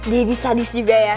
jadi sadis juga ya